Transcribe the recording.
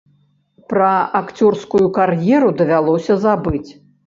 Пра акцёрскую кар'еру давялося забыць.